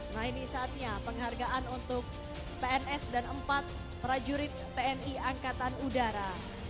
nah ini saatnya penghargaan untuk pns dan empat prajurit tni angkatan udara